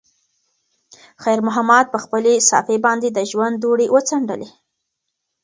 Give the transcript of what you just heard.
خیر محمد په خپلې صافې باندې د ژوند دوړې وڅنډلې.